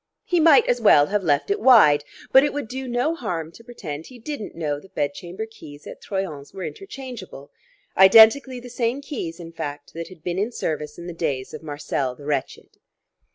He might as well have left it wide, but it would do no harm to pretend he didn't know the bed chamber keys at Troyon's were interchangeable identically the same keys, in fact, that had been in service in the days of Marcel the wretched.